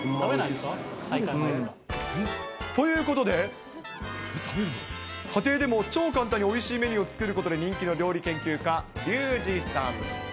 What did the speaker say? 芋はほんまにおということで、家庭でも超簡単においしいメニューを作ることで人気の料理研究家、リュウジさん。